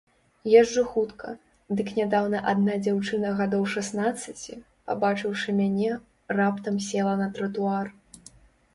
Езджу хутка, дык нядаўна адна дзяўчына гадоў шаснаццаці, пабачыўшы мяне, раптам села на тратуар.